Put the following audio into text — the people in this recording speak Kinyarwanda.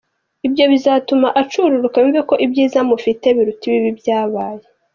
Ibyo bizatuma acururuka yumve ko ibyiza mufitanye biruta ibibi byabaye.